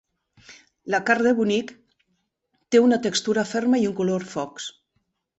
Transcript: La carn de bonic té una textura ferma i un color fosc.